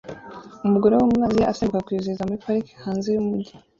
Umugore wo muri Aziya asimbuka kwizihiza muri parike hanze yumujyi